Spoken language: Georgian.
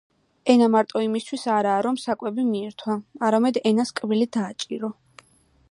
ენა მარტო იმისთვის არაა რომ სასაკვები მიირთვა, არამედ ენას კბილი დააჭირო.